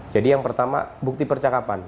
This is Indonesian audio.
jadi yang pertama bukti percakapan